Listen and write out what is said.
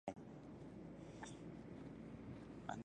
خو سپي په وران وران ورته کتل، خوښ نه و.